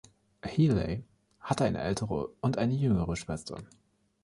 Healey hatte eine ältere und eine jüngere Schwester.